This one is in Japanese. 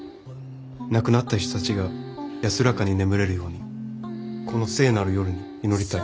亡くなった人たちが安らかに眠れるようにこの聖なる夜に祈りたい。